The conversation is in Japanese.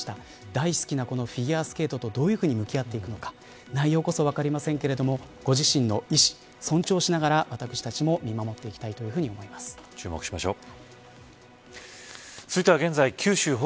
大好きなフィギュアスケートとどういうふうに向き合っていくのか内容こそ分かりませんけれどもご自身の意思、尊重しながら私たちも見守っていきたいと注目しましょう。